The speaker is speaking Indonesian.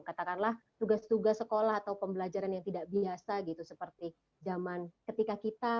katakanlah tugas tugas sekolah atau pembelajaran yang tidak biasa gitu seperti zaman ketika kita